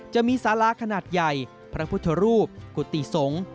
จะมีสาราขนาดใหญ่พระพุทธรูปกุฏิสงฆ์